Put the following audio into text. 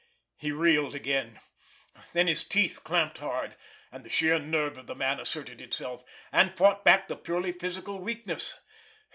He reeled again. Then his teeth clamped hard, and the sheer nerve of the man asserted itself, and fought back the purely physical weakness.